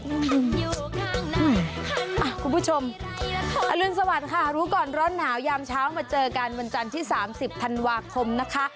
คุณผู้ชมอรุณสวัสดิ์ค่ะรู้ก่อนร้อนหนาวยามเช้ามาเจอกันวันจันทร์ที่๓๐ธันวาคมนะคะ